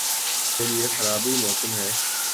کے لئے خرابیٔ موسم ہے۔